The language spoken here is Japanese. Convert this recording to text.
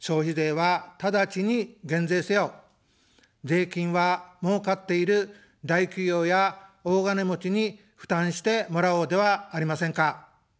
税金はもうかっている大企業や大金持ちに負担してもらおうではありませんか。